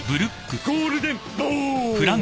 ゴールデンボーン！